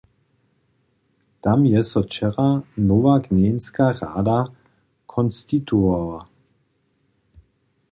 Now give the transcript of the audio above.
Tam je so wčera nowa gmejnska rada skonstituowała.